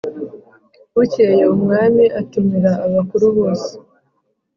Bukeye umwami atumira abakuru bose